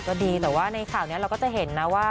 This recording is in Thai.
ก็ดีแต่ว่าในข่าวนี้เราก็จะเห็นนะว่า